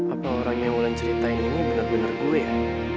apa orangnya yang ngulen cerita ini bener bener gue ya